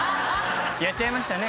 やっちゃいましたね